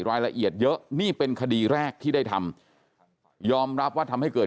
รายละเอียดเยอะนี่เป็นคดีแรกที่ได้ทำยอมรับว่าทำให้เกิด